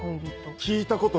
聞いたことある。